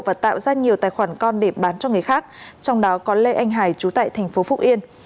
và tạo ra nhiều tài khoản con để bán cho người khác trong đó có lê anh hải chú tại thành phố phúc yên